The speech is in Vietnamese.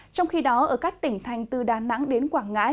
trong khi đó ở các tỉnh thành từ đà nẵng đến quảng ngãi